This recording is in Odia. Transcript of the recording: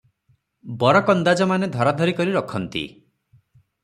ବରକନ୍ଦାଜମାନେ ଧରାଧରି କରି ରଖନ୍ତି ।